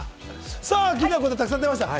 気になることをたくさん出ました。